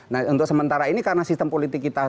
nah untuk sementara ini karena sistem politik kita